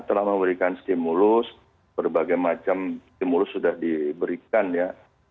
telah memberikan stimulus berbagai macam stimulus sudah diberikan ya